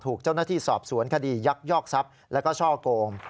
ถูกเจ้าหน้าที่สอบสวนคดียักยอกทรัพย์แล้วก็ช่อโกง